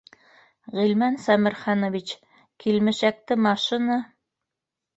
Ғилман Сәмерханович, килмешәкте машина